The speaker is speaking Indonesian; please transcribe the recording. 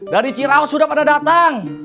dari cirawat sudah pada datang